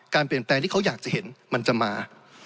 การเปลี่ยนแปลงที่เขาอยากจะเห็นมันจะมา